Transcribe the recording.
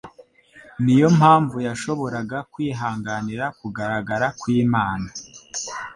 ni yo mpamvu yashoboraga kwihanganira kugaragara kw'Imana.